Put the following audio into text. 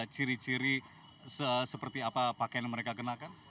ciri ciri seperti apa pakaian yang mereka kenakan